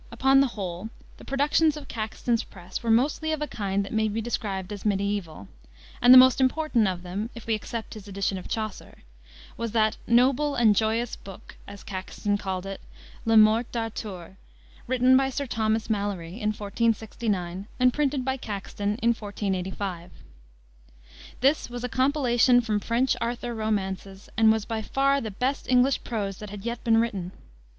Upon the whole, the productions of Caxton's press were mostly of a kind that may be described as mediaeval, and the most important of them, if we except his edition of Chaucer, was that "noble and joyous book," as Caxton called it, Le Morte Darthur, written by Sir Thomas Malory in 1469, and printed by Caxton in 1485. This was a compilation from French Arthur romances, and was by far the best English prose that had yet been written.